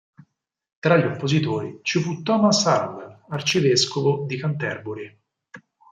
Tra gli oppositori ci fu Thomas Arundel, Arcivescovo di Canterbury.